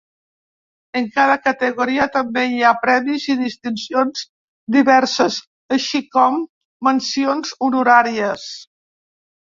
En cada categoria també hi ha premis i distincions diverses, així com mencions honoràries.